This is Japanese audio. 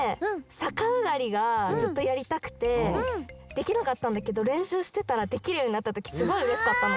さかあがりがずっとやりたくてできなかったんだけどれんしゅうしてたらできるようになったときすごいうれしかったの。